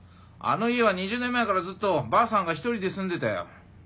あの家は２０年前からずっとばあさんが一人で住んでたよ。